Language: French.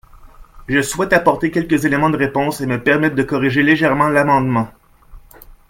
Je souhaite apporter quelques éléments de réponse et me permettre de corriger légèrement l’amendement.